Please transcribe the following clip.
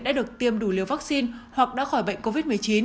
đã được tiêm đủ liều vaccine hoặc đã khỏi bệnh covid một mươi chín